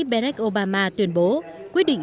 barack obama tuyên bố quyết định